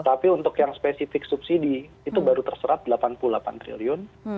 tapi untuk yang spesifik subsidi itu baru terserap delapan puluh delapan triliun